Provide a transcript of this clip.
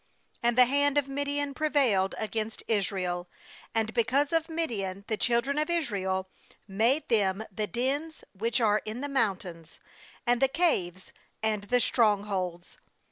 2And the hand of Midian prevailed against Israel; and because of Midian the children of Israel made them the dens which are in the mountains, and the caves, and the strongholds.